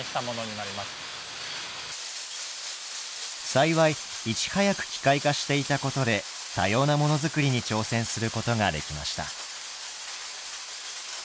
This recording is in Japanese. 幸いいち早く機械化していたことで多様なモノ作りに挑戦することができました。